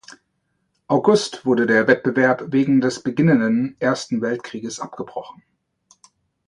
August wurde der Wettbewerb wegen des beginnenden Ersten Weltkrieges abgebrochen.